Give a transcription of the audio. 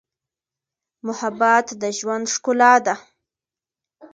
محبت د ژوند ښکلا ده.